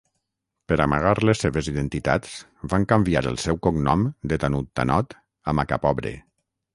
Per amagar les seves identitats, van canviar el seu cognom de Tanudtanod a Macapobre.